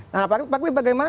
nah pak wi bagaimana